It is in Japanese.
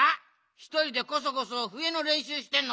ひとりでこそこそふえのれんしゅうしてんのかよ。